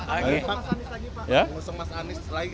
apakah mau semas anies lagi pak